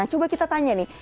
coba kita tanya nih